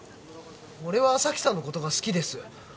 俺は咲さんのことが好きです。